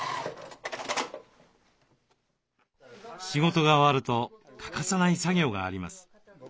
仕事が終わると欠かさない作業があります。